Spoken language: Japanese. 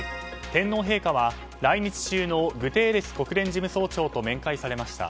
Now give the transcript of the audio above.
天皇陛下は来日中のグテーレス国連事務総長と面会されました。